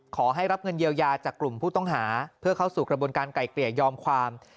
ขอให้รับเงินเยียวยาจากกลุ่มผู้ต้องหาเพื่อเข้าสู่กระบวนการไกลเกลี่ยยอมความ